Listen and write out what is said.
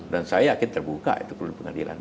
dan saya yakin terbuka itu perlu di pengadilan